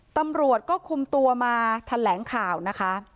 ตำรวจก็คุมตัวมาแถลงข่าวนะคะ